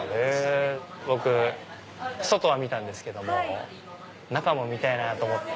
僕外は見たんですけども中も見たいなぁと思って。